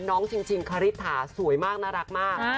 น้องชิงคาริถาสวยมากน่ารักมาก